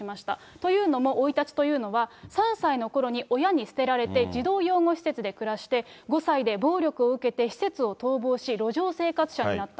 というのも、生い立ちというのは、３歳のころに親に捨てられて、児童養護施設で暮らして、５歳で暴力を受けて、施設を逃亡し、路上生活者になった。